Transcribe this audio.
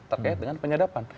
terkait dengan penyedapan